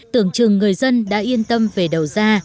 tưởng chừng người dân đã yên tâm về đầu ra